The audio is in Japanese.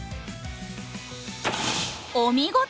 お見事！